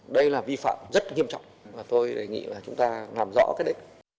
đây là vi phạm rất nghiêm trọng và tôi đề nghị là chúng ta làm rõ cái đấy